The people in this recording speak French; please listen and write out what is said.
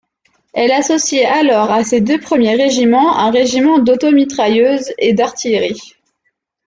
Elle associait alors à ses deux premiers régiments un régiment d’automitrailleuses et un d’artillerie.